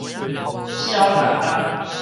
痟慄慄